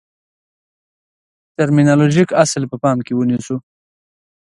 ټرمینالوژیک اصل په پام کې ونیسو.